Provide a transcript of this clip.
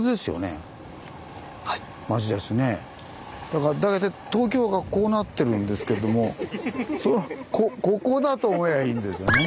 だから大体東京がこうなってるんですけれどもそのここだと思やいいんですよね。